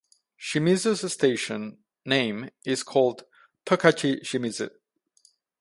Shimizu's station name is called Tokachi Shimizu.